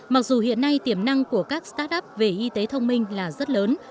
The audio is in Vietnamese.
mặc dù hiện nay tiềm năng của các start up về y tế thông minh là rất lớn